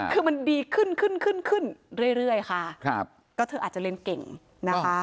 คือมันดีขึ้นเรื่อยค่ะก็เธออาจจะเล่นเก่งนะคะ